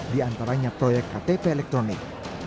diantaranya proyek ktp elektronik